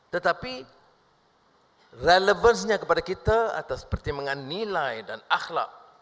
tetapi relevansinya kepada kita atas pertimbangan nilai dan akhlak